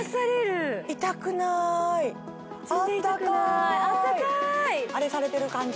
全然痛くないあったかいあれされてる感じ